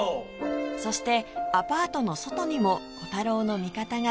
そしてアパートの外にもコタローの味方が